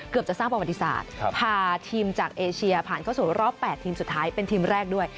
จะสร้างประวัติศาสตร์พาทีมจากเอเชียผ่านเข้าสู่รอบ๘ทีมสุดท้ายเป็นทีมแรกด้วย